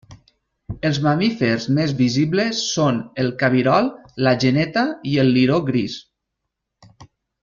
Els mamífers més visibles són el cabirol, la geneta i el liró gris.